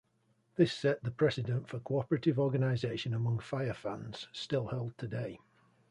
This set the precedent for cooperative organization among Fire fans still held today.